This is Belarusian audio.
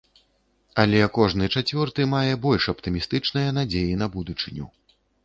Але кожны чацвёрты мае больш аптымістычныя надзеі на будучыню.